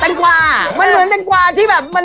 แตงกวามันเหมือนแตงกวาที่แบบ